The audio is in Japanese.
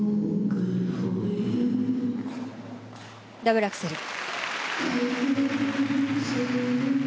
ダブルアクセル。